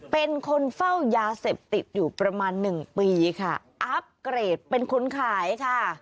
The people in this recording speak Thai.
เป็นคนเฝ้ายาเสพติดอยู่ประมาณหนึ่งปีค่ะอัพเกรดเป็นคนขายค่ะ